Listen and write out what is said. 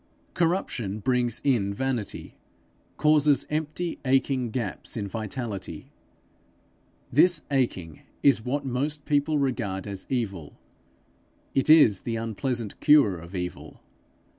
Corruption brings in vanity, causes empty aching gaps in vitality. This aching is what most people regard as evil: it is the unpleasant cure of evil.